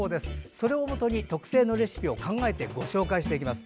それをもとに、特製のレシピを考えてご紹介していきます。